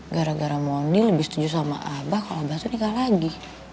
gara gara mondi lebih setuju sama abah kalau bahasa nikah lagi